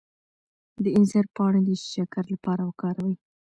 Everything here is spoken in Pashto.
د انځر پاڼې د شکر لپاره وکاروئ